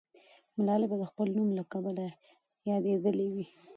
ملالۍ به د خپل نوم له کبله یادېدلې وي.